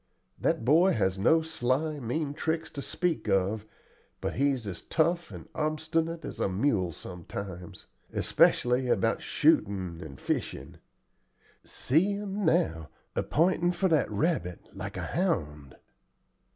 That boy has no sly, mean tricks to speak of, but he's as tough and obstinate as a mule sometimes, especially about shooting and fishing. See him now a p'intin' for that rabbit, like a hound."